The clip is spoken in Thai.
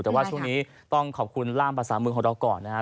แต่ว่าช่วงนี้ต้องขอบคุณล่ามภาษามือของเราก่อนนะครับ